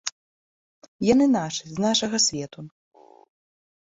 Яны нашы, з нашага свету.